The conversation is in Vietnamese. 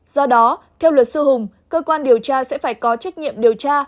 do đó theo luật sư hùng cơ quan điều tra sẽ phải có trách nhiệm điều tra